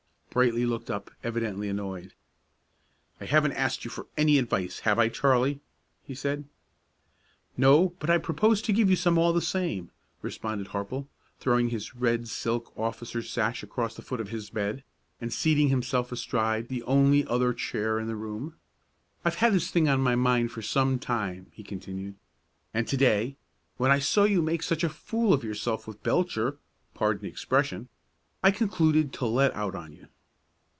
Brightly looked up, evidently annoyed. "I haven't asked you for any advice, have I, Charley?" he said. "No, but I propose to give you some, all the same," responded Harple, throwing his red silk officer's sash across the foot of his bed, and seating himself astride the only other chair in the room. "I've had this thing on my mind for some time," he continued; "and to day, when I saw you make such a fool of yourself with Belcher pardon the expression I concluded to let out on you.